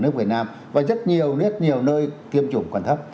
nước việt nam và rất nhiều nơi tiêm chủng còn thấp